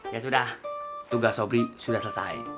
ya sudah tugas sobri sudah selesai